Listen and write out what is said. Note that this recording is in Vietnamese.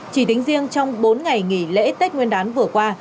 chỉ tính riêng trong bốn ngày nghỉ lễ tết nguyên đán vừa qua